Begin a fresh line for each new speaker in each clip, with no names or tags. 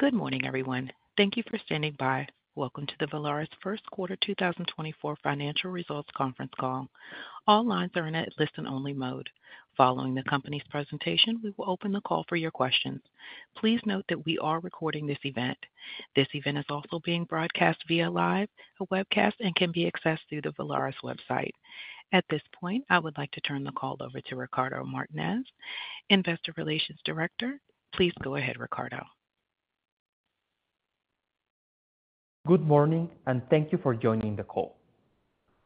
Good morning everyone. Thank you for standing by. Welcome to the Volaris first quarter 2024 financial results conference call. All lines are in a listen only mode. Following the Company's presentation, we will open the call for your questions. Please note that we are recording this event. This event is also being broadcast via live webcast and can be accessed through the Volaris website. At this point I would like to turn the call over to Ricardo Martínez, Investor Relations Director. Please go ahead. Ricardo.
Good morning and thank you for joining the call.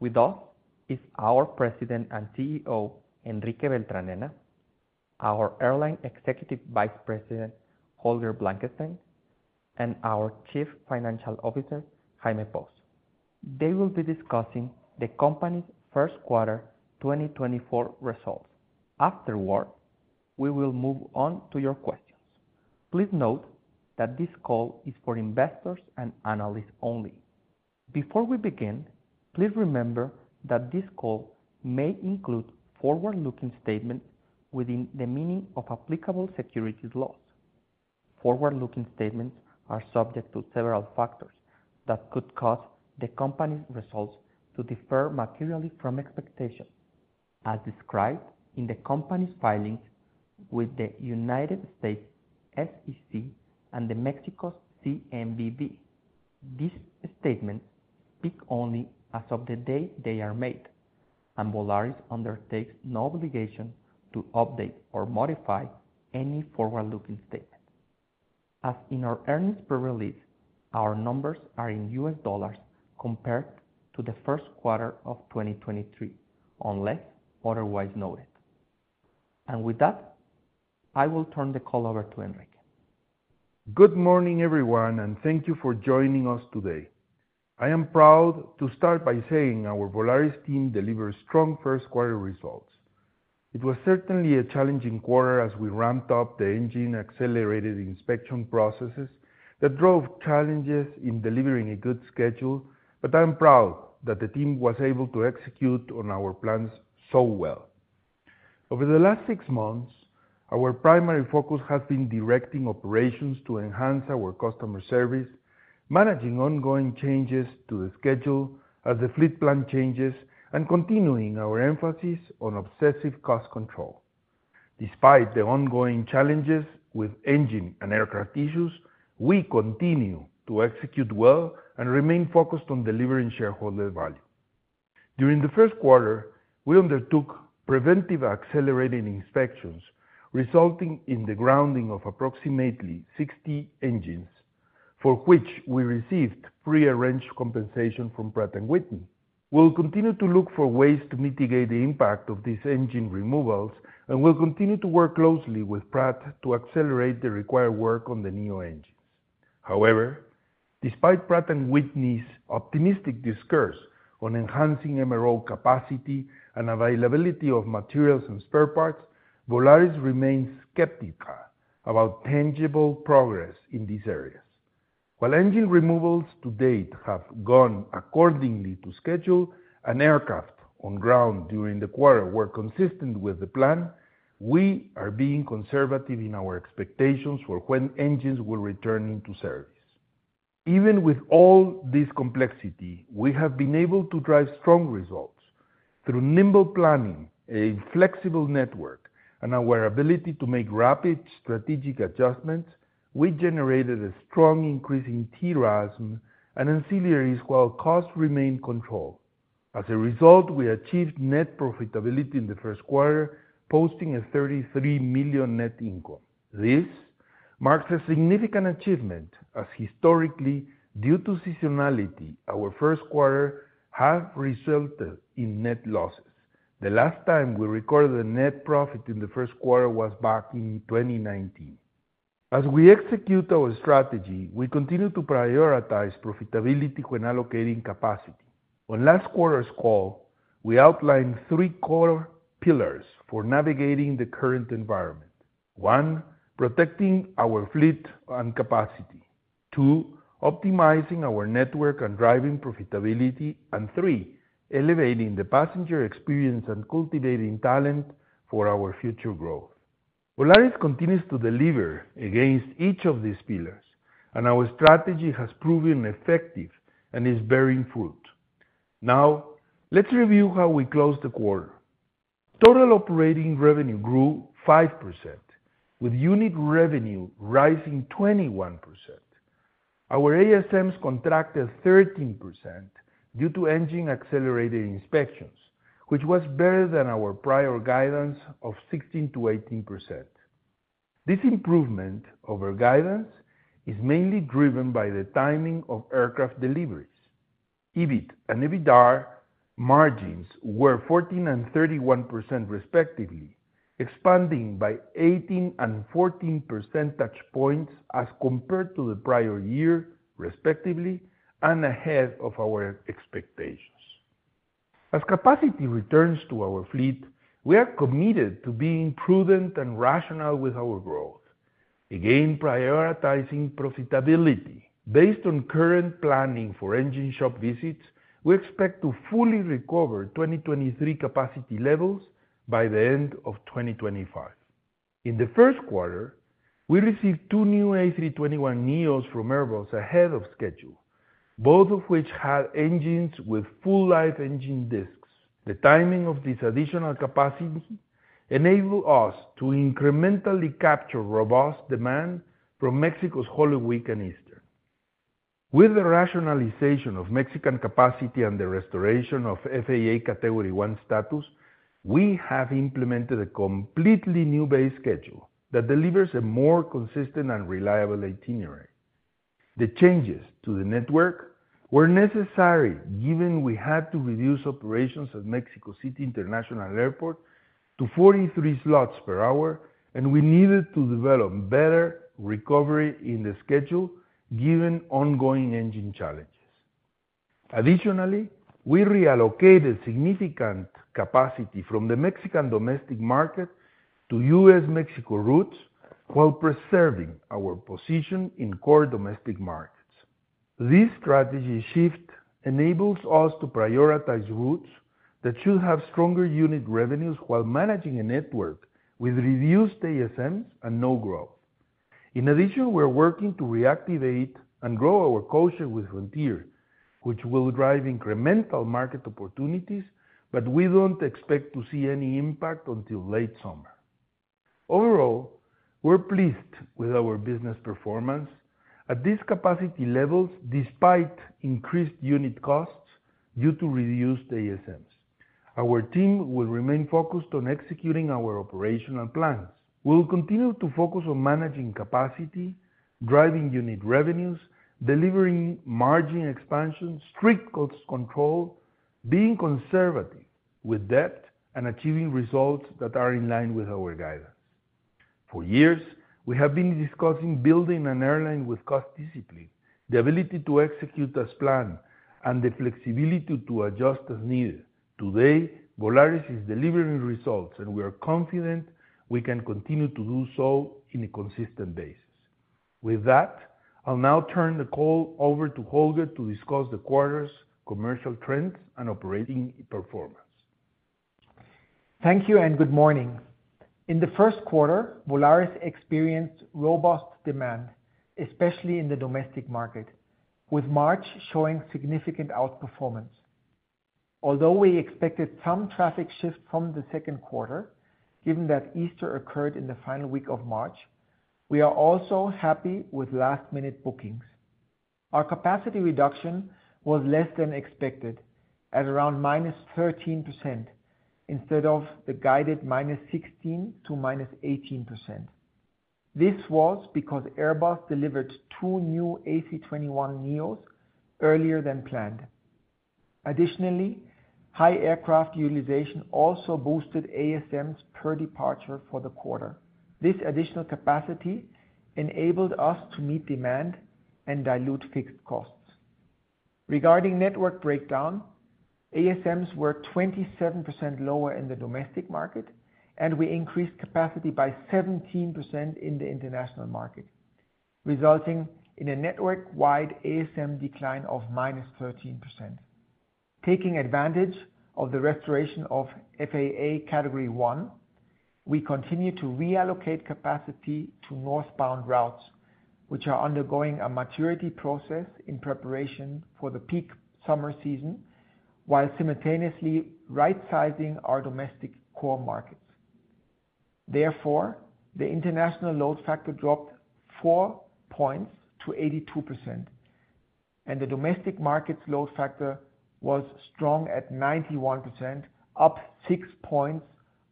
With us is our President and CEO Enrique Beltranena, our airline Executive Vice President Holger Blankenstein and our Chief Financial Officer Jaime Pous. They will be discussing the company's first quarter 2024 results. Afterward, we will move on to your questions. Please note that this call is for investors and analysts only. Before we begin, please remember that this call may include forward looking statements within the meaning of applicable securities laws. Forward looking statements are subject to several factors that could cause the Company's results to differ materially from expectations as described in the Company's filings with the United States SEC and the Mexico CNBV. These statements speak only as of the date they are made and Volaris undertakes no obligation to update or modify any forward looking statements. As in our earnings press release, our numbers are in U.S. dollars compared to the first quarter of 2023 unless otherwise noted. With that, I will turn the call over to Enrique.
Good morning everyone and thank you for joining us today. I am proud to start by saying our Volaris team delivers strong first quarter results. It was certainly a challenging quarter as we ramped up the engine accelerated inspection processes that drove challenges in delivering a good schedule, but I'm proud that the team was able to execute on our plans so well. Over the last six months, our primary focus has been directing operations to enhance our customer service, managing ongoing changes to the schedule as the fleet plan changes, and continuing our emphasis on obsessive cost control. Despite the ongoing challenges with engine and aircraft issues, we continue to execute well and remain focused on delivering shareholder value. During the first quarter, we undertook preventive accelerating inspections resulting in the grounding of approximately 60 engines for which we received prearranged compensation from Pratt & Whitney. We will continue to look for ways to mitigate the impact of these engine removals and will continue to work closely with Pratt to accelerate the required work on the NEO engines. However, despite Pratt & Whitney's optimistic discourse on enhancing MRO capacity and availability of materials and spare parts, Volaris remains skeptical about tangible progress in these areas. While engine removals to-date have gone accordingly to schedule and aircraft on ground during the quarter were consistent with the plan, we are being conservative in our expectations for when engines will return into service. Even with all this complexity, we have been able to drive strong results. Through nimble planning, a flexible network and our ability to make rapid strategic adjustments, we generated a strong increase in TRASM and ancillaries while costs remained controlled. As a result, we achieved net profitability in the first quarter, posting $33 million net income. This marks a significant achievement as historically due to seasonality, our first quarter have resulted in net losses. The last time we recorded a net profit in the first quarter was back in 2019. As we execute our strategy, we continue to prioritize profitability when allocating capacity. On last quarter's call, we outlined three core pillars for navigating the current environment. one, protecting our fleet and capacity, two, optimizing our network and driving profitability and three elevating the passenger experience and cultivating talent for our future growth. Volaris continues to deliver against each of these pillars and our strategy has proven effective and is bearing fruit. Now let's review how we closed the quarter. Total operating revenue grew 5% with unit revenue rising 21%. Our ASMs contracted 13% due to engine accelerated inspections, which was better than our prior guidance of 16%-18%. This improvement over guidance is mainly driven by the timing of aircraft deliveries. EBIT and EBITDA margins were 14% and 31% respectively, expanding by 18 and 14 percentage points as compared to the prior year respectively and ahead of our expectations. As capacity returns to our fleet, we are committed to being prudent and rational with our growth, again prioritizing profitability. Based on current planning for engine shop visits, we expect to fully recover 2023 capacity levels by the end of 2025. In the first quarter, we received two new A321neos from Airbus ahead of schedule, both of which had engines with full life engine disks. The timing of this additional capacity enabled us to incrementally capture robust demand from Mexico's Holy Week and Easter. With the rationalization of Mexican capacity and the restoration of FAA Category 1 status, we have implemented a completely new base schedule that delivers a more consistent and reliable itinerary. The changes to the network were necessary given we had to reduce operations at Mexico City International Airport to 43 slots per hour and we needed to develop better recovery in the schedule given ongoing engine challenges. Additionally, we reallocated significant capacity from the Mexican domestic market to U.S. Mexico routes while preserving our position in core domestic markets. This strategy shift enables us to prioritize routes that should have stronger unit revenues while managing a network with reduced ASM and no growth. In addition, we're working to reactivate and grow our codeshare with Frontier, which will drive incremental market opportunities, but we don't expect to see any impact until late summer. Overall, we're pleased with our business performance at these capacity levels. Despite increased unit costs due to reduced ASMs, our team will remain focused on executing our operational plans. We will continue to focus on managing capacity, driving unit revenues, delivering margin expansion, strict cost control, being conservative with debt, and achieving results that are in line with our guidance. For years we have been discussing building an airline with cost discipline, the ability to execute as planned, and the flexibility to adjust as needed. Today, Volaris is delivering results and we are confident we can continue to do so in a consistent basis. With that, I'll now turn the call over to Holger to discuss the quarter's commercial trends and operating performance.
Thank you and good morning. In the first quarter, Volaris experienced robust demand, especially in the domestic market, with March showing significant outperformance. Although we expected some traffic shift from the second quarter, given that Easter occurred in the final week of March, we are also happy with last minute bookings. Our capacity reduction was less than expected at around -13% instead of the guided -16% to -18%. This was because Airbus delivered two new A321neos earlier than planned. Additionally, high aircraft utilization also boosted ASMs per departure for the quarter. This additional capacity enabled us to meet demand and dilute fixed costs. Regarding network breakdown, ASMs were 27% lower in the domestic market and we increased capacity by 17% in the international market, resulting in a network wide ASM decline of -13%. Taking advantage of the restoration of FAA Category 1, we continue to reallocate capacity to northbound routes which are undergoing a maturity process in preparation for the peak summer season while simultaneously rightsizing our domestic core markets. Therefore, the international load factor dropped four points to 82% and the domestic markets load factor was strong at 91%, up six points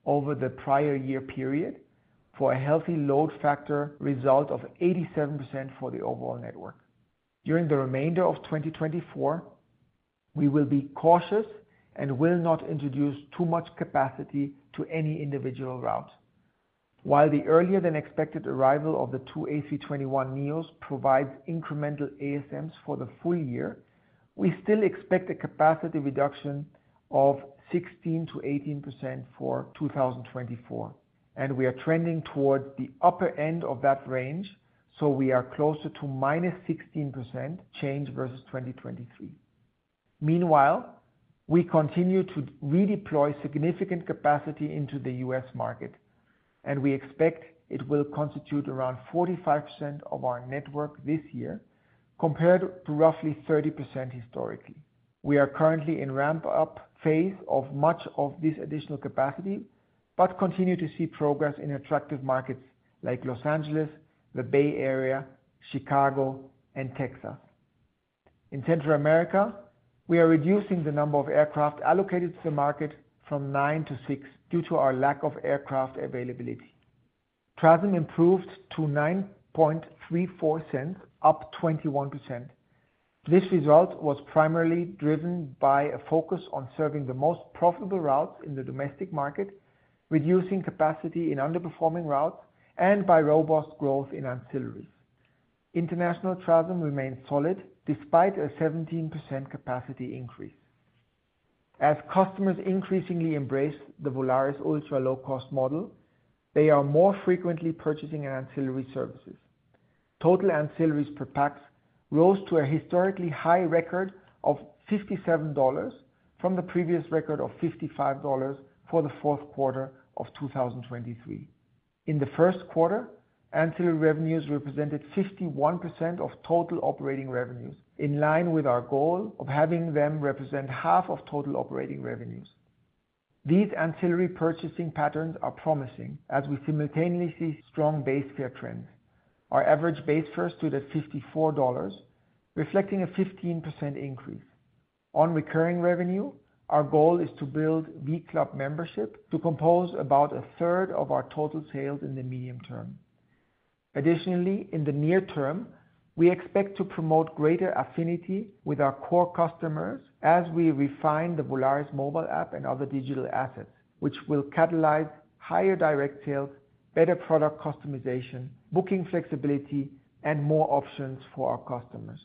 over the prior year period for a healthy load factor result of 87% for the overall network. During the remainder of 2024, we will be cautious and will not introduce too much capacity to any individual round. While the earlier than expected arrival of the two A321neos provides incremental ASMs for the full year, we still expect a capacity reduction of 16%-18% for 2024 and we are trending towards the upper end of that range, so we are closer to -16% change versus 2023. Meanwhile, we continue to redeploy significant capacity into the U.S. market and we expect it will constitute around 45% of our network this year compared to roughly 30% historically. We are currently in ramp up phase of much of this additional capacity but continue to see progress in attractive markets like Los Angeles, the Bay Area, Chicago and Texas. In Central America, we are reducing the number of aircraft allocated to the market from 9-6 due to our lack of aircraft availability. TRASM improved to $0.0934, up 21%. This result was primarily driven by a focus on serving the most profitable routes in the domestic market, reducing capacity in underperforming routes and by robust growth in ancillaries. International TRASM remained solid despite a 17% capacity increase. As customers increasingly embrace the Volaris ultra-low-cost model, they are more frequently purchasing ancillary services. Total ancillaries per pax rose to a historically high record of $57 from the previous record of $55 for the fourth quarter of 2023. In the first quarter, ancillary revenues represented 51% of total operating revenues, in line with our goal of having them represent half of total operating revenues. These ancillary purchasing patterns are promising as we simultaneously see strong base fare trends. Our average base fare stood at $54 reflecting a 15% increase on recurring revenue. Our goal is to build v.club membership to compose about a third of our total sales in the medium term. Additionally, in the near term we expect to promote greater affinity with our core customers as we refine the Volaris mobile app and other digital assets which will catalyze higher direct sales, better product customization, booking flexibility and more options for our customers.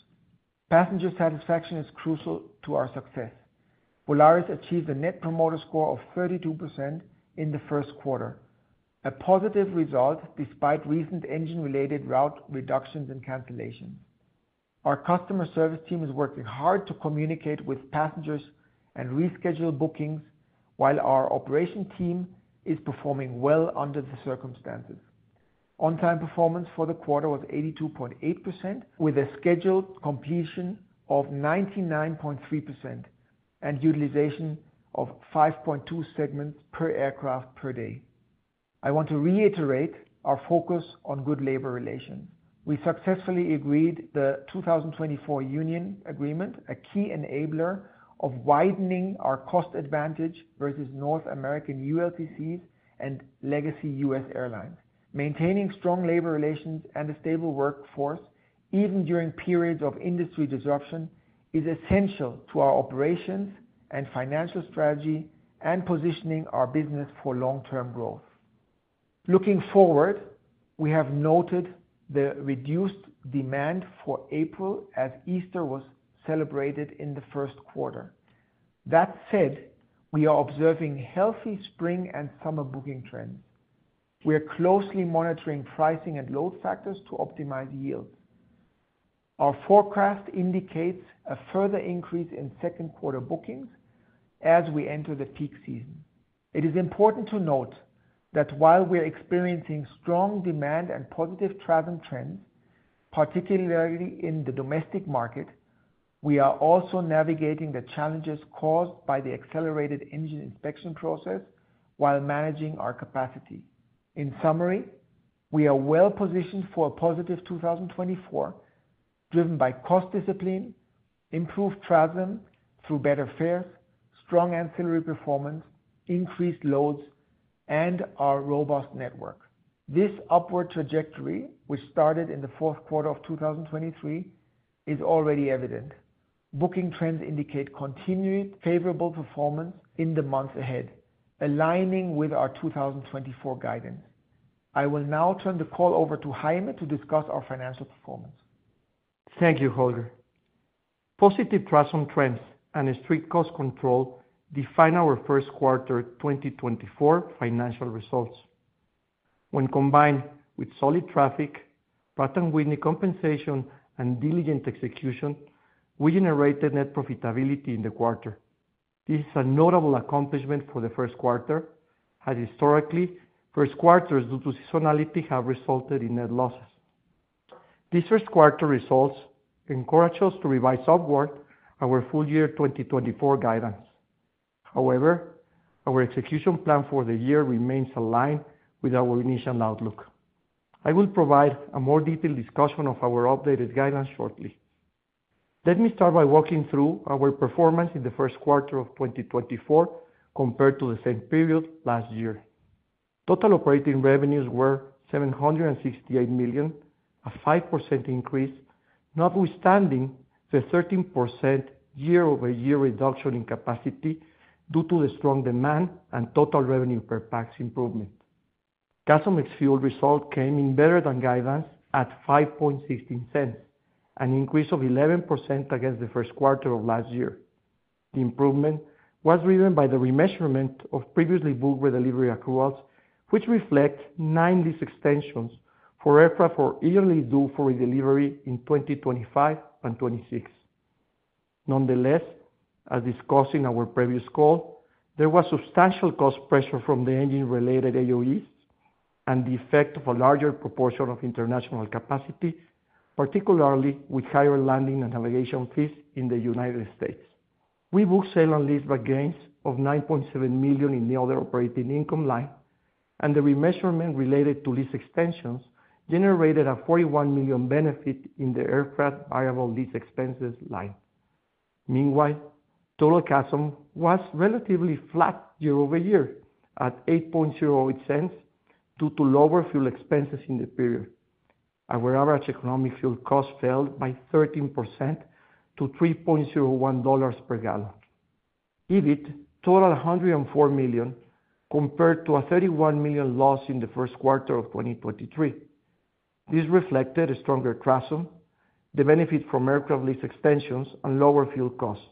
Passenger satisfaction is crucial to our success. Volaris achieved a Net Promoter Score of 32% in the first quarter, a positive result despite recent engine-related route reductions and cancellations. Our customer service team is working hard to communicate with passengers and reschedule bookings while our operation team is performing well under the circumstances. On-time performance for the quarter was 82.8% with a scheduled completion of 99.3% utilization of 5.2 segments per aircraft per day. I want to reiterate our focus on good labor relations. We successfully agreed the 2024 Union Agreement, a key enabler of widening our cost advantage versus North American ULCCs and legacy U.S. airlines. Maintaining strong labor relations and a stable workforce even during periods of industry disruption and is essential to our operations and financial strategy and positioning our business for long-term growth. Looking forward, we have noted the reduced demand for April as Easter was celebrated in the first quarter. That said, we are observing healthy spring and summer booking trends. We are closely monitoring pricing and load factors to optimize yield. Our forecast indicates a further increase in second quarter bookings as we enter the peak season. It is important to note that while we are experiencing strong demand and positive TRASM trends, particularly in the domestic market, we are also navigating the challenges caused by the accelerated engine inspection process while managing our capacity. In summary, we are well-positioned for a positive 2024 driven by cost discipline, improved TRASM through better fares, strong ancillary performance, increased loads and our robust network. This upward trajectory which started in the fourth quarter of 2023 is already evident. Booking trends indicate continued favorable performance in the months ahead, aligning with our 2024 guidance. I will now turn the call over to Jaime to discuss our financial performance.
Thank you, Holger. Positive trends and strict cost control define our first quarter 2024 financial results. When combined with solid traffic patterns, Pratt & Whitney compensation and diligent execution, we generated net profitability in the quarter. This is a notable accomplishment for the first quarter as historically first quarters due to seasonality have resulted in net losses. These first quarter results encourage us to revise upward our full year 2024 guidance. However, our execution plan for the year remains aligned with our initial outlook. I will provide a more detailed discussion of our updated guidance shortly. Let me start by walking through our performance in the first quarter of 2024 compared to the same period last year. Total operating revenues were $768 million, a 5% increase notwithstanding the 13% year-over-year reduction in capacity due to the strong demand and total revenue per PAX improvement. CASM ex-fuel result came in better than guidance at $5.16 cents, an increase of 11% against the first quarter of last year. The improvement was driven by the remeasurement of previously booked redelivery accruals, which reflect nine lease extensions for aircraft were yearly due for redelivery in 2025 and 2026. Nonetheless, as discussed in our previous call, there was substantial cost pressure from the engine-related AOGs and the effect of a larger proportion of international capacity, particularly with higher landing and navigation fees in the United States. We booked sale and leaseback gains of $9.7 million in the other operating income line and the remeasurement related to lease extensions generated a $41 million benefit in the aircraft variable lease expenses line. Meanwhile, total CASM was relatively flat year-over-year at $8.08 cents due to lower fuel expenses in the period. Our average economic fuel cost fell by 13% to $3.01 per gallon. EBIT totaled $104 million compared to a $31 million loss in the first quarter of 2023. This reflected a stronger TRASM, the benefit from aircraft lease extensions and lower fuel costs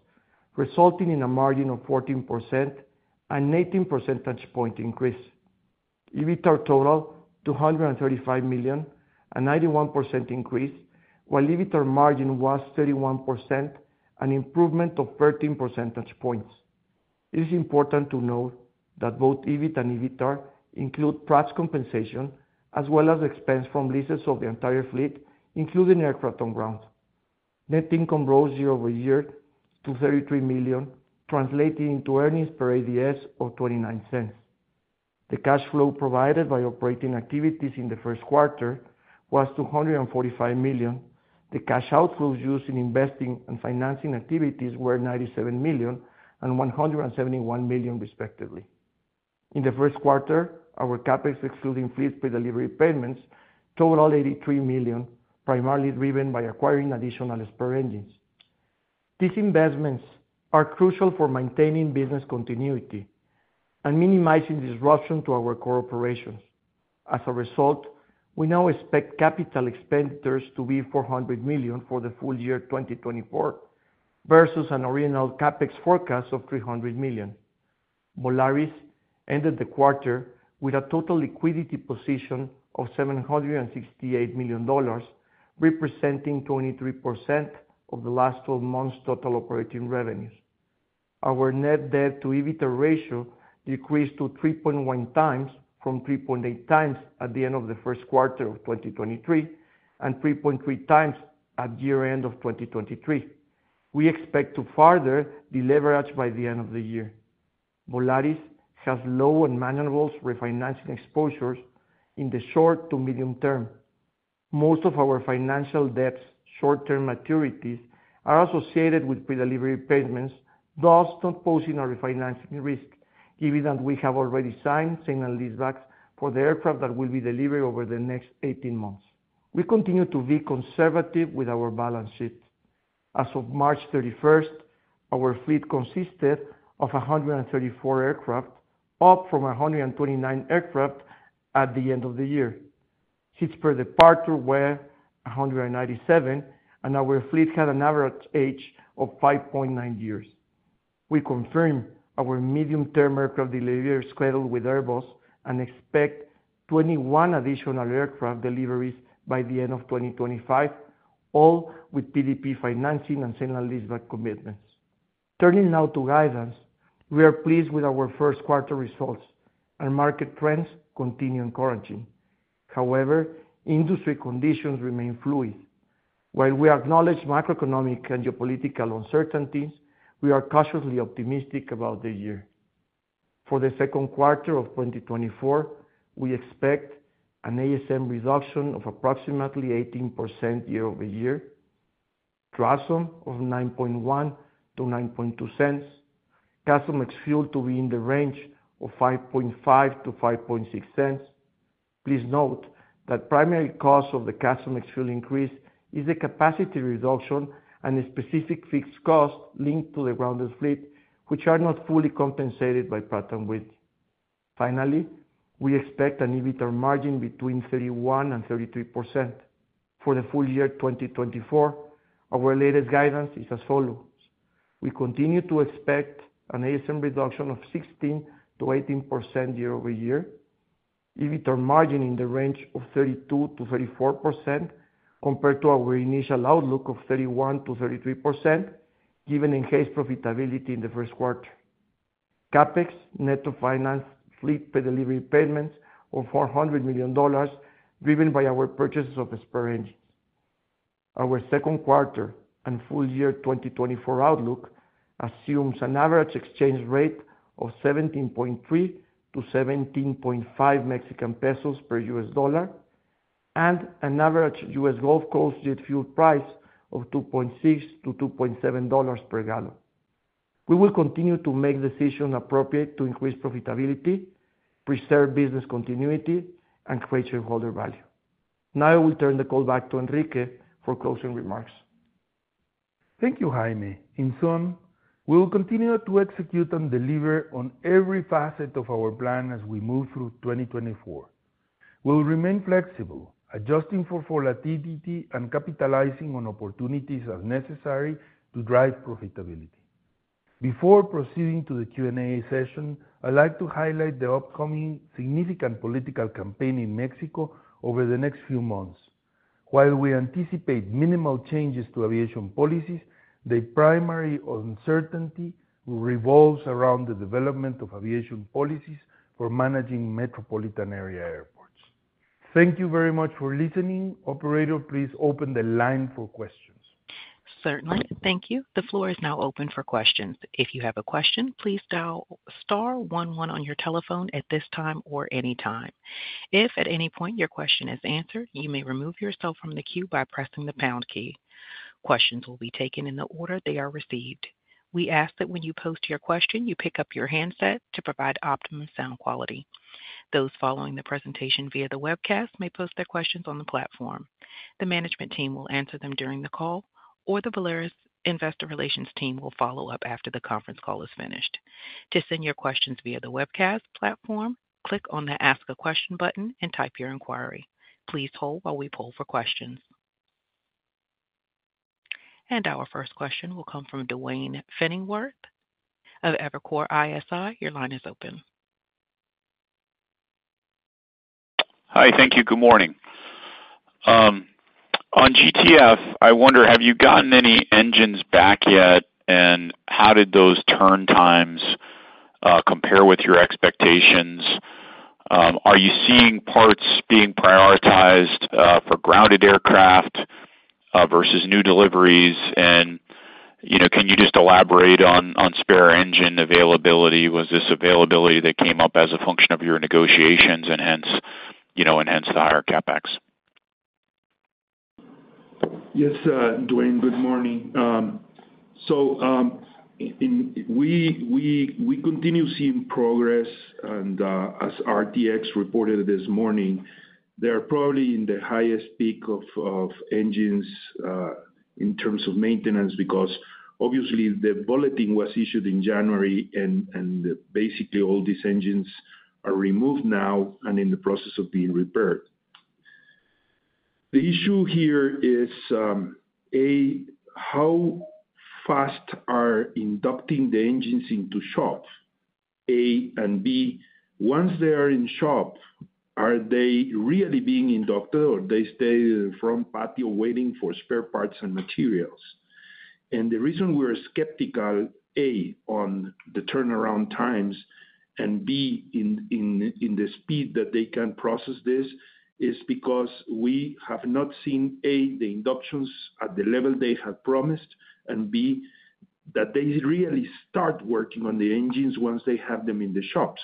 resulting in a margin of 14% and 18 percentage point increase. EBITDA totaled $235 million, a 91% increase, while EBITDA margin was 31%, an improvement of 13 percentage points. It is important to note that both EBIT and EBITDAR include Pratt's compensation as well as expense from leases of the entire fleet including aircraft on ground. Net income rose year-over-year to $33 million, translating into earnings per ADS of $0.29. The cash flow provided by operating activities in the first quarter was $245 million. The cash outflows used in investing and financing activities were $97 million and $171 million respectively. In the first quarter, our CapEx, excluding pre-delivery payments, totaled $83 million, primarily driven by acquiring additional spare engines. These investments are crucial for maintaining business continuity and minimizing disruption to our core operations. As a result, we now expect capital expenditures to be $400 million for the full year 2024 versus an original CapEx forecast of $300 million. Volaris ended the quarter with a total liquidity position of $768 million, representing 23% of the last 12 months total operating revenues. Our net debt to EBITDA ratio decreased to 3.1x from 3.8x at the end of the first quarter of 2023 and 3.3x at year-end of 2023. We expect to further de-lever by the end of the year. Volaris has low and manageable refinancing exposures in the short- to medium-term. Most of our financial debt's short-term maturities are associated with pre-delivery payments, thus not posing a refinancing risk. Given that we have already signed several leasebacks for the aircraft that will be delivered over the next 18 months, we continue to be conservative with our balance sheet. As of March 31st, our fleet consisted of 134 aircraft, up from 129 aircraft at the end of the year. Seats per departure were 197 and our fleet had an average age of 5.9 years. We confirmed our medium-term aircraft delivery schedule with Airbus and expect 21 additional aircraft deliveries by the end of 2025, all with PDP financing and certain commitments. Turning now to guidance, we are pleased with our first quarter results and market trends continue in the right direction. However, industry conditions remain fluid. While we acknowledge macroeconomic and geopolitical uncertainties, we are cautiously optimistic about the year. For the second quarter of 2024, we expect an ASM reduction of approximately 18% year-over-year TRASM of $0.091-$0.092 CASM ex-fuel to be in the range of $0.055-$0.056. Please note that primary cause of the CASM ex-fuel increase is the capacity reduction and specific fixed cost linked to the grounded fleet which are not fully compensated by Pratt & Whitney. Finally, we expect an EBITDA margin between 31%-33% for the full year 2024. Our latest guidance is as follows. We continue to expect an ASM reduction of 16%-18% year-over-year EBITDA margin in the range of 32%-34% compared to our initial outlook of 31%-33%. Given increased profitability in the first quarter CapEx net to finance fleet delivery payments of $400 million driven by our purchases of spare engines, our second quarter and full year 2024 outlook assumes an average exchange rate of 17.3- 17.5 pesos per U.S. dollar and an average U.S. Gulf Coast jet fuel price of $2.60-$2.70 per gallon. We will continue to make decision appropriate to increase profitability, preserve business continuity and create shareholder value. Now I will turn the call back to Enrique for closing remarks.
Thank you, Jaime. In sum, we will continue to execute and deliver on every facet of our plan as we move through 2024. We will remain flexible, adjusting for volatility and capitalizing on opportunities as necessary to drive profitability. Before proceeding to the Q&A session, I'd like to highlight the upcoming significant political campaign in Mexico over the next few months. While we anticipate minimal changes to aviation policies, the primary uncertainty revolves around the development of aviation policies for managing metropolitan area airports. Thank you very much for listening. Operator, please open the line for questions.
Certainly. Thank you. The floor is now open for questions. If you have a question, please dial star one one on your telephone at this time or anytime. If at any point your question is answered, you may remove yourself from the queue by pressing the pound key. Questions will be taken in the order they are received. We ask that when you post your question, you pick up your handset to provide optimum sound quality. Those following the presentation via the webcast may post their questions on the platform. The management team will answer them during the call or the Volaris investor relations team will follow up after the conference call is finished. To send your questions via the webcast platform, click on the Ask a question button and type your inquiry. Please hold while we poll for questions and our first question will come from Duane Pfennigwerth of Evercore ISI.Your line is open.
Hi. Thank you. Good morning. On GTF, I wonder have you gotten any engines back yet and how did those turn times compare with your expectations? Are you seeing parts being prioritized for grounded aircraft versus new deliveries? You know, can you just elaborate on spare engine availability? Was this availability that came up as a function of your negotiations and hence, you know, and hence the higher CapEx?
Yes. Duane, good morning. So we continue seeing progress, and as RTX reported this morning, they are probably in the highest peak of engines in terms of maintenance because obviously the bulletin was issued in January and basically all these engines are removed now and in the process of being repaired. The issue here is A, how fast they are inducting the engines into the shop, and B, once they are in the shop, are they really being inducted or they stay on the patio waiting for spare parts and materials. The reason we are skeptical A, on the turnaround times, and B, in the speed that they can process this is because we have not seen A, the inductions at the level they have promised, and B, that they really start working on the engines once they have them in the shops.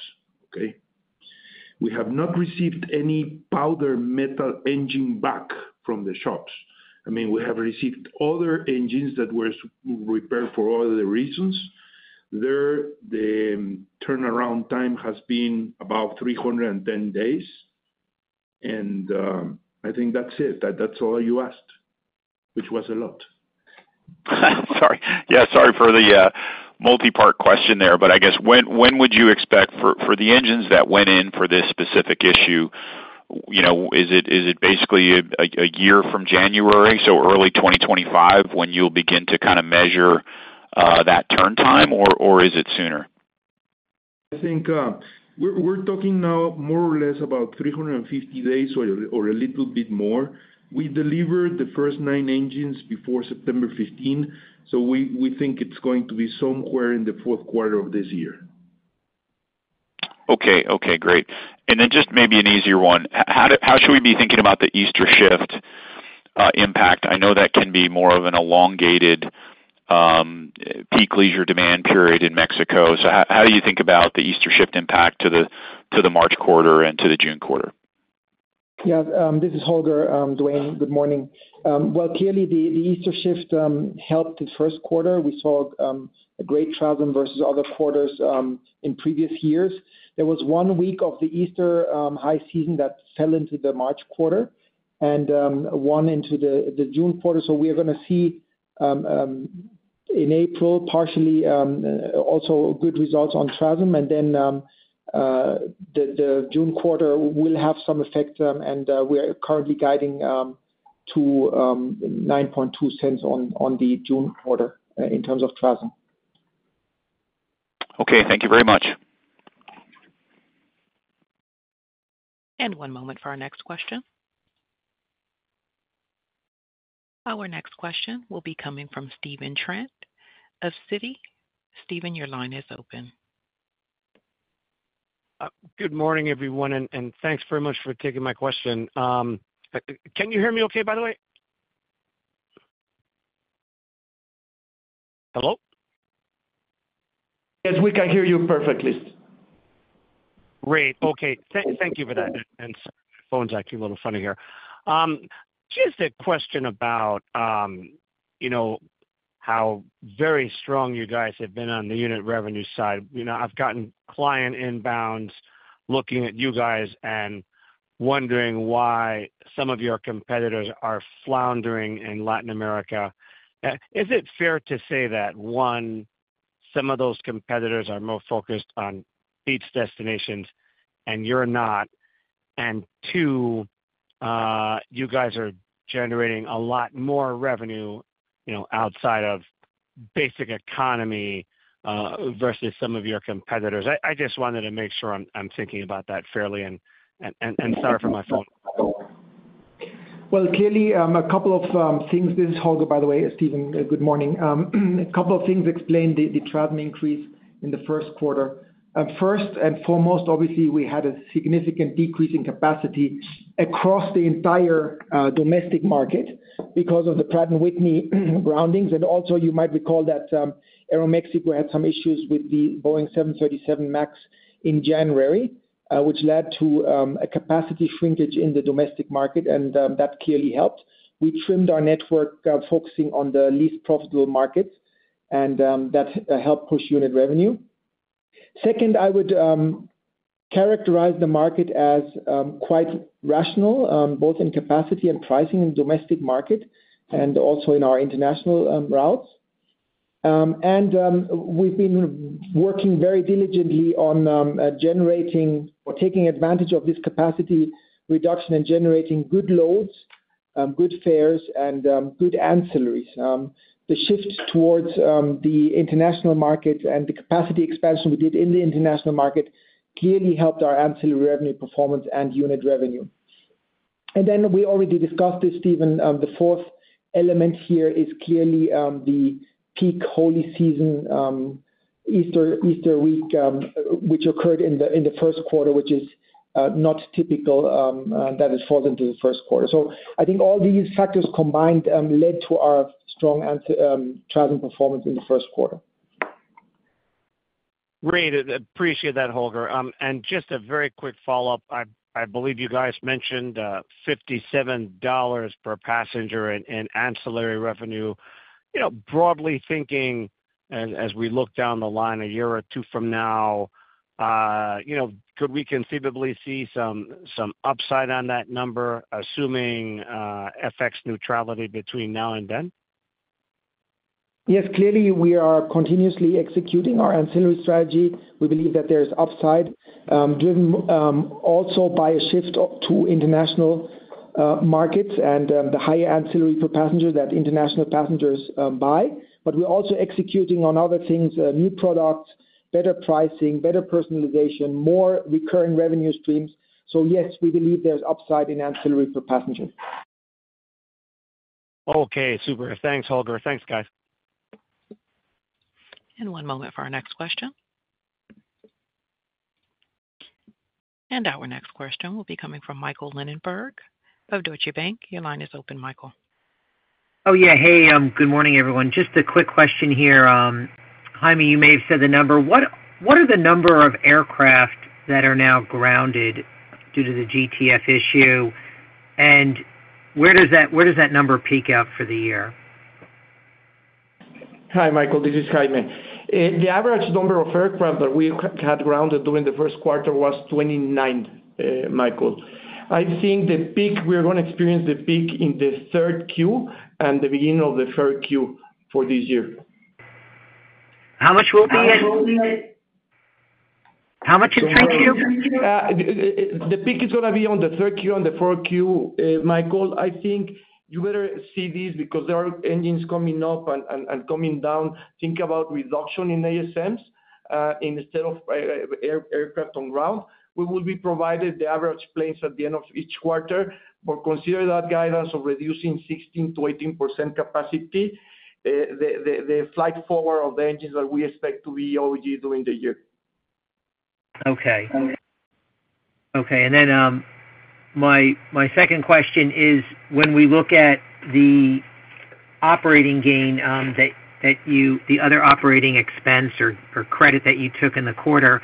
We have not received any powder metal engine back from the shops. I mean, we have received other engines that were repaired for other reasons there. The turnaround time has been about 310 days, and I think that's it. That's all you asked, which was a lot.
Yeah, sorry for the multi-part question there, but I guess when would you expect for the engines that went in for this specific issue? Is it basically a year from January, so early 2025, when you'll begin to kind of measure that turn time, or is it sooner?
I think we're talking now more or less about 350 days or a little bit more. We delivered the first nine engines before September 15th so we think it's going to be somewhere in the fourth quarter of this year.
Okay, okay, great. Then just maybe an easier one. How should we be thinking about the Easter shift impact? I know that can be more of an elongated peak leisure demand period in Mexico. So how do you think about the Easter shift impact to the March quarter and to the June quarter.
Yeah, this is Holger. Duane. Good morning. Well, clearly the Easter shift helped the first quarter. We saw a great result versus other quarters in previous years. There was one week of the Easter high season that fell into the March quarter and one into the June quarter. So we are going to see in April partially also good results on TRASM. Then the June quarter will have some effect. We are currently guiding to $0.092 on the June quarter in terms of TRASM.
Okay, thank you very much.
One moment for our next question. Our next question will be coming from Stephen Trent of Citi. Stephen, your line is open.
Good morning everyone, and thanks very much for taking my question. Can you hear me okay, by the way? Hello?
Yes, we can hear you perfectly.
Great. Okay, thank you for that. My phone's acting a little funny here. Just a question about how very strong you guys have been on the unit revenue side. I've gotten client inbounds looking at you guys and wondering why some of your competitors are floundering in Latin America. Is it fair to say that one, some of those competitors are more focused on beach destinations and you're not, and two, you guys are generating a lot more revenue outside of basic economy versus some of your competitors? I just wanted to make sure I'm thinking about that fairly. Sorry for my phone.
Well, clearly a couple of things. This is Holger, by the way. Stephen, good morning. A couple of things explain the TRASM increase in the first quarter. First and foremost, obviously we had a significant decrease in capacity across the entire domestic market because of the Pratt & Whitney groundings. Also you might recall that Aeromexico had some issues with the Boeing 737 MAX in January, which led to a capacity shrinkage in the domestic market and that clearly helped. We trimmed our network, focusing on the least profitable markets and that helped push unit revenue. Second, I would characterize the market as quite rational, both in capacity and pricing in domestic market and also in our international routes and we've been working very diligently on generating, for taking advantage of this capacity reduction and generating good loads, good fares and good ancillaries. The shift towards the international market and the capacity expansion we did in the international market clearly helped our ancillary revenue performance and unit revenue. Then we already discussed this, Stephen. The fourth element here is clearly the peak holiday season Easter week, which occurred in the first quarter, which is not typical that it falls into the first quarter. So I think all these factors combined led to our strong TRASM performance in the first quarter.
Great. Appreciate that, Holger. Just a very quick follow up. I believe you guys mentioned $57 per passenger in ancillary revenue. Broadly thinking, as we look down the line a year or two from now, could we conceivably see some upside on that number, assuming FX neutrality between now and then?
Yes, clearly we are continuously executing our ancillary strategy. We believe that there is upside driven also by a shift to international markets and the higher ancillary per passenger that international passengers buy. But we're also executing on other things, new products, better pricing, better personalization, more recurring revenue streams. So, yes, we believe there's upside in ancillary per passenger.
Okay, super. Thanks, Holger. Thanks, guys.
One moment for our next question. Our next question will be coming from Michael Linenberg of Deutsche Bank. Your line is open, Michael. Oh, yeah.
Hey, good morning, everyone. Just a quick question here, Jaime, you may have said the number. What are the number of aircraft that are now grounded due to the GTF issue and where does that number peak out for the year?
Hi, Michael, this is Jaime. The average number of aircraft that we had grounded during the first quarter was 29, Michael. I think the peak. We're going to experience the peak in the third Q and the beginning of the third Q for this year.
How much will be, how much in 3Q?
The peak is going to be on the third Q and the fourth Q. Michael, I think you better see this because there are engines coming up and coming down. Think about reduction in ASMs instead of aircraft on ground. We will be provided the average planes at the end of each quarter but consider that guidance of reducing 16%-18% capacity, the flight forward of the engines that we expect to be AOG during the year.
Okay, okay. Then my second question is, when we look at the other operating expense or credit that you took in the quarter,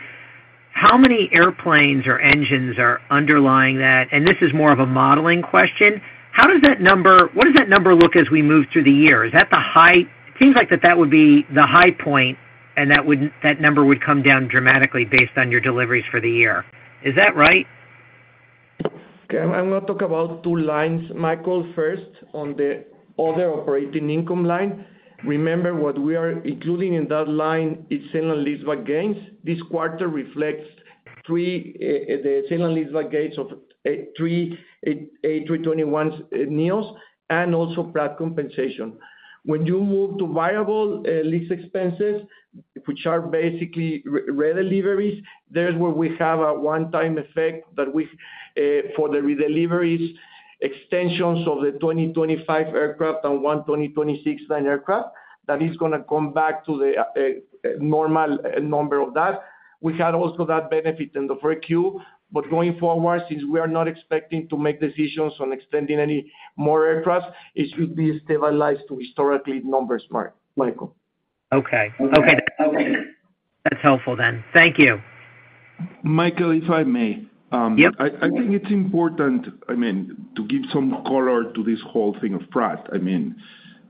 how many airplanes or engines are underlying that and this is more of a modeling question? What does that number look like as we move through the year? Is that the high? It seems like that would be the high point and that number would come down dramatically based on your deliveries for the year. Is that right?
I'm going to talk about two lines, Michael. First, on the other operating income line, remember what we are including in that line is sale and leaseback gains. This quarter reflects the sale and leaseback gains of three A321neos and also Pratt & Whitney compensation. When you move to variable lease expenses, which are basically redeliveries, there's where we have a one-time effect that we. For the redelivery extensions of the 2025 aircraft and one 2026 neo aircraft, that is going to come back to the normal number of that. We had also that benefit in the 4Q. But going forward, since we are not expecting to make decisions on extending any more aircraft, it should be stabilized to historical numbers, Michael.
Okay. Okay, that's helpful then. Thank you.
Michael if I may. I mean, I think it's important, I mean, to give some color to this whole thing of Pratt. I mean,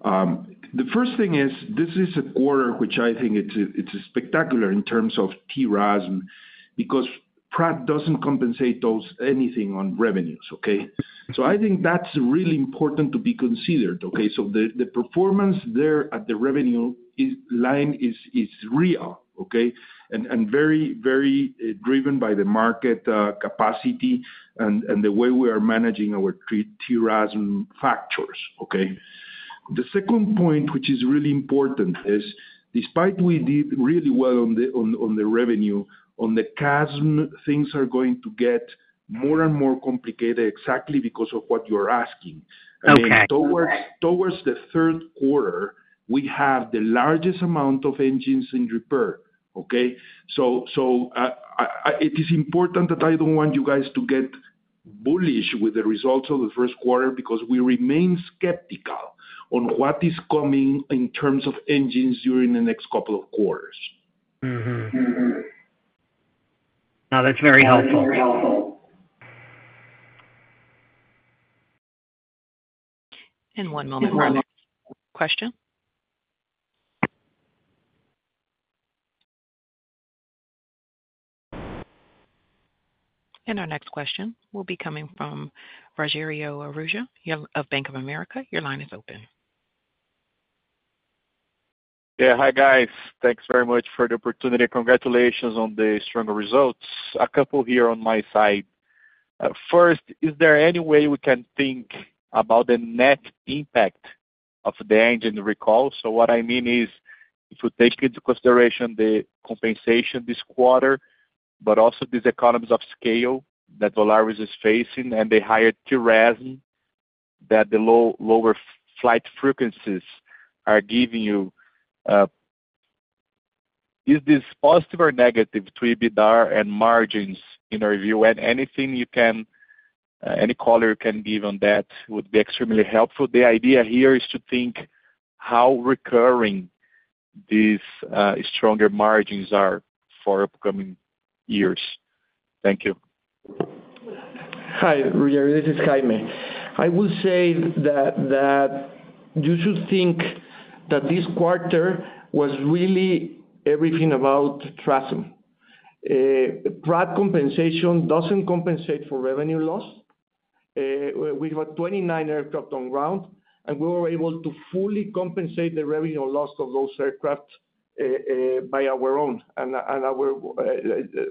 the first thing is this is a quarter which I think it's spectacular in terms of TRASM because Pratt doesn't compensate anything on revenues. Okay. So I think that's really important to be considered. Okay. So the performance there at the revenue line is real. Okay and very, very driven by the market capacity and the way we are managing our TRASM factors. Okay? The second point which is really important is despite we did really well on the revenue on the CASM, things are going to get more and more complicated. Exactly because of what you're asking. Towards the third quarter, we have the largest amount of engines in repair. Okay. It is important that I don't want you guys to get bullish with the results of the first quarter because we remain skeptical on what is coming in terms of engines during the next couple of quarters.
That's very helpful.
One moment. Question. Our next question will be coming from Rogério Araújo of Bank of America. Your line is open.
Yeah. Hi guys. Thanks very much for the opportunity. Congratulations on the strong results. A couple here on my side. First, is there any way we can think about the net impact of the engine recall? What I mean is if you take into consideration the compensation this quarter, but also these economies of scale that Volaris is facing and the higher TRASM that the lower flight frequencies are giving you, is this positive or negative to EBITDA and margins in review? Anything you can, any color you can give on that would be extremely helpful. The idea here is to think how recurring these stronger margins are for upcoming years. Thank you.
Hi, Rogério, this is Jaime. I will say that you should think that this quarter was really everything about TRASM. Pratt compensation doesn't compensate for revenue loss. We have 29 aircraft on ground and we were able to fully compensate the revenue loss of those aircraft by our own and our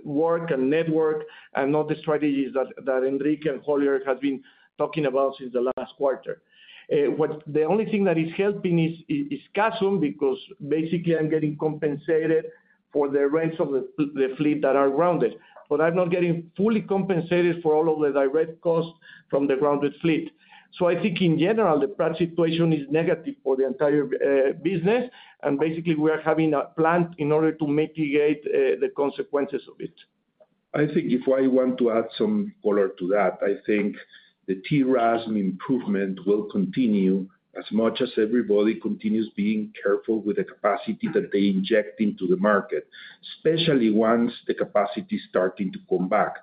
work and network and all the strategies that Enrique and Holger have been talking about since the last quarter. The only thing that is helping is CASM because basically I'm getting compensated for the rents of the fleet that are grounded, but I'm not getting fully compensated for all of the direct costs from the grounded fleet. So I think in general the situation is negative for the entire business and basically we are having a plan in order to mitigate the consequences of it.
I think if I want to add some color to that, I think the TRASM improvement will continue. As much as everybody continues being careful with the capacity that they inject into the market, especially once the capacity starting to come back.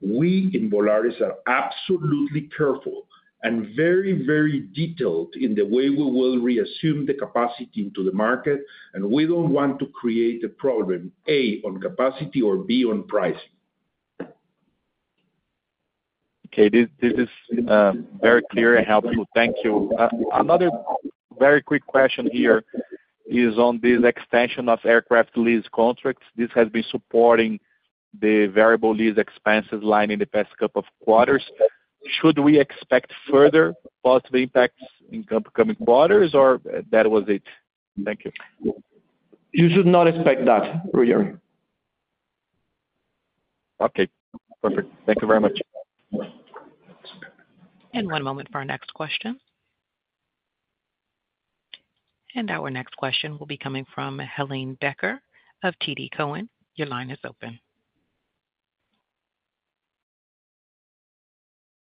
We in Volaris are absolutely careful and very, very detailed in the way we will reassume the capacity into the market. We don't want to create a problem A on capacity or B on price.
Okay, this is very clear and helpful. Thank you. Another very quick question here is on this extension of aircraft lease contracts. This has been supporting the variable lease expenses line in the past couple of quarters. Should we expect further positive impacts in upcoming quarters or that was it? Thank you.
You should not expect that, Roger.
Okay, perfect. Thank you very much.
One moment for our next question. Our next question will be coming from Helane Becker of TD Cowen. Your line is open.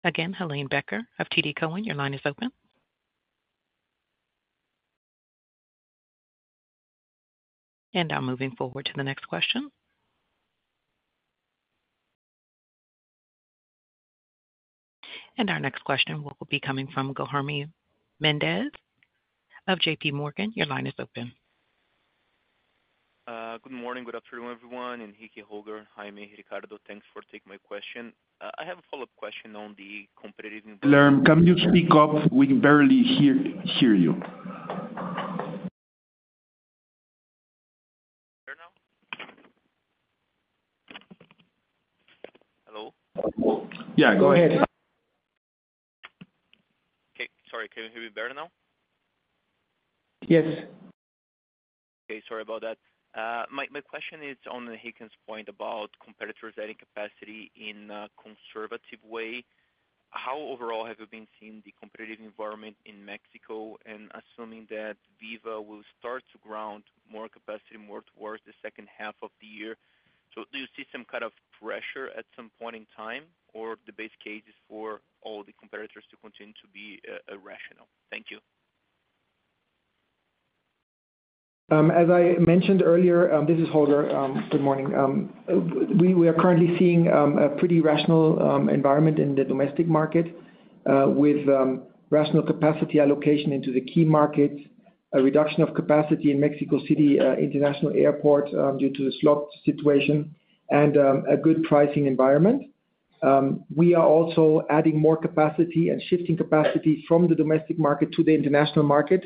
Again. Helane Becker of TD Cowen. Your line is open. I'm moving forward to the next question. Our next question will be coming from Guilherme Mendes of J.P. Morgan. Your line is open.
Good morning. Good afternoon, everyone. Enrique, Holger, Jaime, Ricardo. Thanks for taking my question. I have a follow-up question on the competitive environment.
Can you speak up? We can barely hear you.
Hello?
Yeah, go ahead.
Okay, sorry. Can you hear me better now?
Yes.
Okay. Sorry about that. My question is on Holger's point about competitors adding capacity in a conservative way. How overall have you been seeing the competitive environment in Mexico and assuming that Viva will start to ground more capacity more towards the second half of the year? So do you see some kind of pressure at some point in time or the base case for all the competitors to continue to be rational? Thank you.
As I mentioned earlier, this is Holger. Good morning. We are currently seeing a pretty rational environment in the domestic market with rational capacity allocation into the key markets. A reduction of capacity in Mexico City International Airport due to the slot situation and a good pricing environment. We are also adding more capacity and shifting capacity from the domestic market to the international market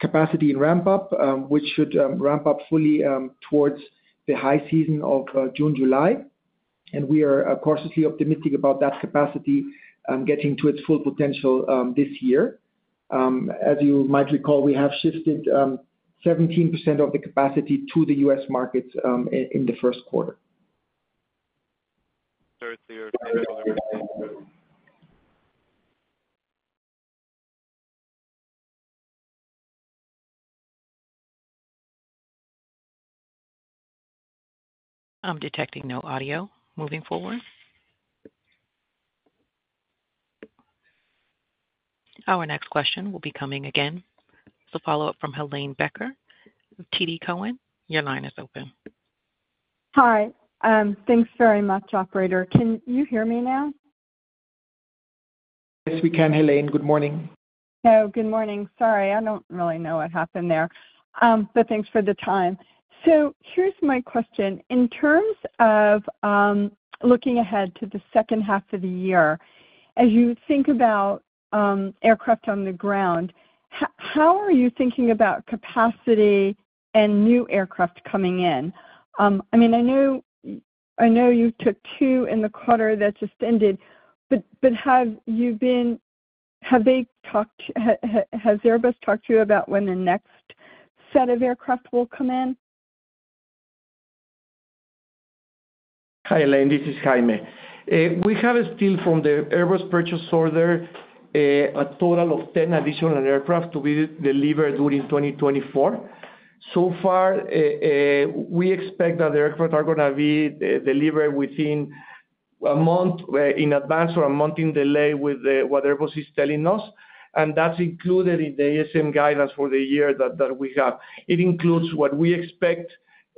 capacity in ramp up which should ramp up fully towards the high season of June, July and we are cautiously optimistic about that capacity getting to its full potential this year. As you might recall, we have shifted 17% of the capacity to the U.S. markets in the first quarter.
I'm detecting no audio moving forward. Our next question will be coming again, so follow up from Helane Becker, TD Cowen. Your line is open.
Hi, thanks very much. Operator, can you hear me now?
Yes, we can, Helane, good morning.
I don't really know what happened there, but thanks for the time. Here's my question. In terms of looking ahead to the second half of the year, as you think about aircraft on the ground, how are you thinking about capacity and new aircraft coming in? I know you took two in the quarter that just ended, but has Airbus talked to you about when the next set of aircraft will come in?
Hi, Helane, this is Jaime. We have still from the Airbus purchase order a total of 10 additional aircraft to be delivered during 2024. So far we expect that the aircraft are going to be delivered within two months in advance or a month in delay with what Airbus is telling us and that's included in the ASM guidance for the year that we have. It includes what we expect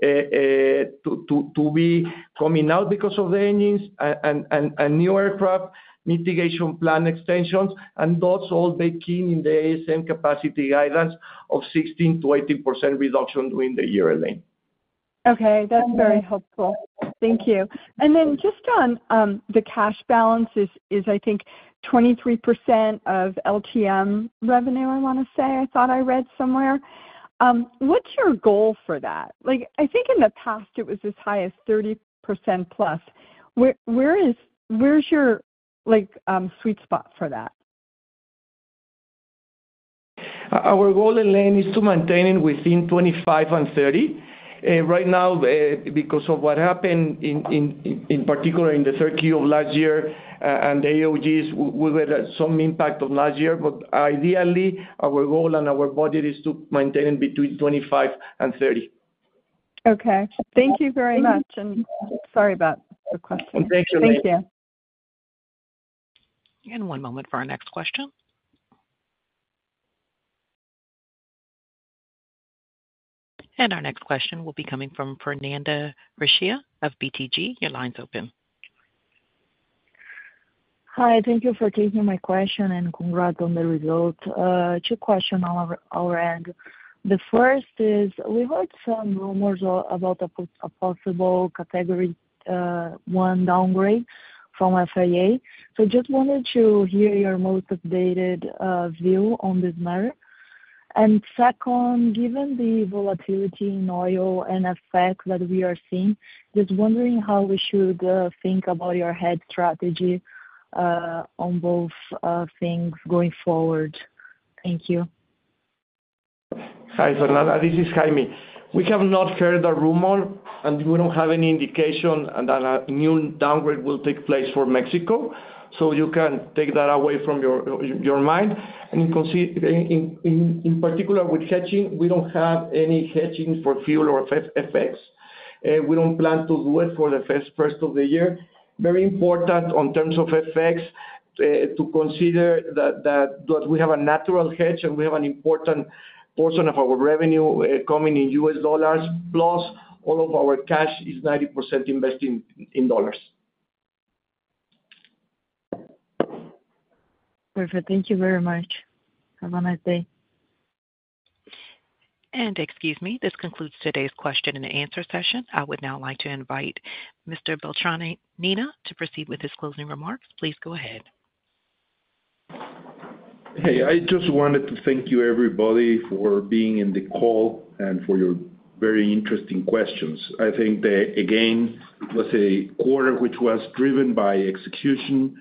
to be coming out because of the engines and new aircraft mitigation plan extensions and those all baked in the ASM capacity guidance of 16%-18% reduction during the year Helane.
Okay, that's very helpful, thank you. Then just on the cash balance is I think 23% of LTM revenue. I want to say, I thought I read somewhere, what's your goal for that? I think in the past it was as high as 30%+. Where is your sweet spot for that?
Our goal in Lane is to maintain it within 25 and 30 right now because of what happened in particular in the third Q of last year and the AOGs. We had some impact of last year, but ideally our goal and our budget is to maintain between 25-30.
Okay, thank you very much. Sorry about the question. Thank you.
Thank you.
One moment for our next question. Our next question will be coming from Fernanda Recchia of BTG. Your line's open.
Hi, thank you for taking my question and congrats on the result. Two questions on our end. The first is we heard some rumors about a possible Category 1 downgrade from FAA. So just wanted to hear your most updated view on this matter. Second, given the volatility in oil and effects that we are seeing, just wondering how we should think about your hedge strategy on both things going forward. Thank you.
Hi, Fernanda. This is Jaime. We have not heard the rumor and we don't have any indication that a new downgrade will take place for Mexico. So you can take that away from your mind. In particular with hedging. We don't have any hedging for fuel or FX. We don't plan to do it for the first of the year. Very important in terms of FX to consider that we have a natural hedge and we have an important portion of our revenue coming in U.S. dollars. Plus all of our cash is 90% invested in dollars.
Perfect. Thank you very much. Have a nice day.
Excuse me. This concludes today's question-and-answer session. I would now like to invite Mr. Beltranena to proceed with his closing remarks. Please go ahead.
Hey, I just wanted to thank you everybody for being in the call and for your very interesting questions. I think that again was a quarter which was driven by execution.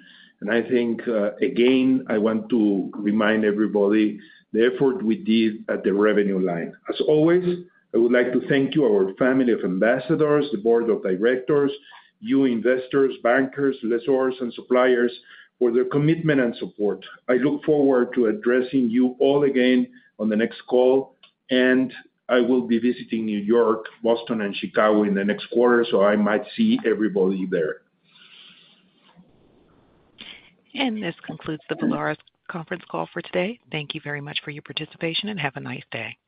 I think again, I want to remind everybody the effort we did at the revenue line. As always, I would like to thank you, our family of ambassadors, the board of directors, you, investors, bankers, lessors and suppliers for their commitment and support. I look forward to addressing you all again and on the next call. I will be visiting New York, Boston and Chicago in the next quarter, so I might see everybody there.
This concludes the Volaris conference call for today. Thank you very much for your participation and have a nice day.